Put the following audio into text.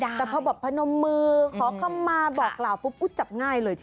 แต่พอแบบพนมมือเขาเข้ามาบอกราวปุ๊บกูจับง่ายเลย